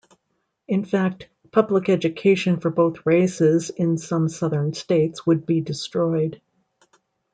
In fact, public education for both races in some Southern States would be destroyed.